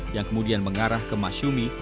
yang kemudian mengarah ke masyumi